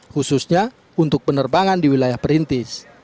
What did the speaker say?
khususnya untuk penerbangan di wilayah perintis